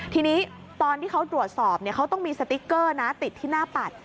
ทีนี้ตอนที่เขาตรวจสอบเขาต้องมีสติ๊กเกอร์นะติดที่หน้าปัด